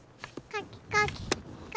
かきかき。